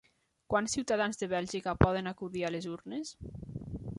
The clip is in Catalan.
Quants ciutadans de Bèlgica poden acudir a les urnes?